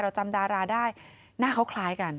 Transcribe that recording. จำดาราได้หน้าเขาคล้ายกัน